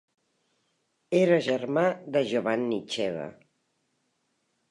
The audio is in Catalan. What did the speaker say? Era germà de Giovanni Ceva.